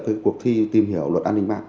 của cuộc thi tìm hiểu luật an ninh mạng